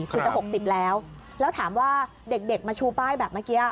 คือจะ๖๐แล้วแล้วถามว่าเด็กมาชูป้ายแบบเมื่อกี้